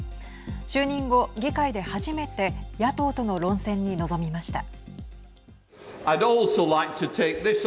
就任後、議会で初めて野党との論戦に臨みました。